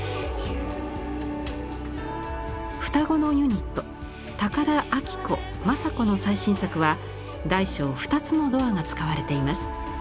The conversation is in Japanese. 双子のユニット田安規子・政子の最新作は大小２つのドアが使われています。